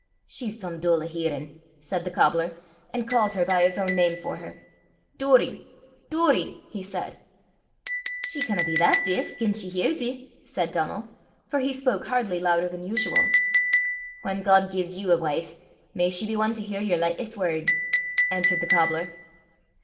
"She's some dull o' hearin'," said the cobbler, and called her by his own name for her. "Doory! Doory!" he said. "She canna be that deif gien she hears ye!" said Donal; for he spoke hardly louder than usual. "Whan God gies you a wife, may she be ane to hear yer lichtest word!" answered the cobbler.